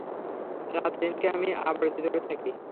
রাত ও দিনকে আমিই আবর্তিত করে থাকি।